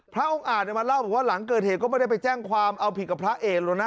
พระองค์อาจมาเล่าบอกว่าหลังเกิดเหตุก็ไม่ได้ไปแจ้งความเอาผิดกับพระเอกหรอกนะ